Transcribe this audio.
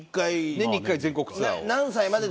年に１回全国ツアーを。